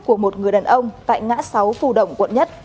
của một người đàn ông tại ngã sáu phù đồng quận một